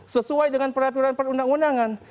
sesuai dengan peraturan perundang undangan